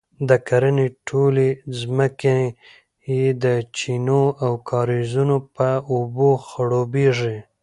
د کرنې ټولې ځمکې یې د چینو او کاریزونو په اوبو خړوبیږي،